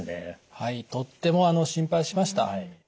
とっても心配しました。